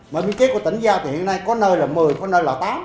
mà biên chế của tỉnh giao thì hiện nay có nơi là một mươi có nơi là tám